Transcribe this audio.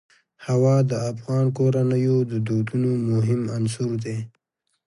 هوا د افغان کورنیو د دودونو مهم عنصر دی.